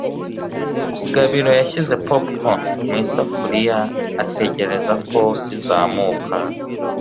Gabiro yashyize popcorn mu isafuriya ategereza ko izamuka.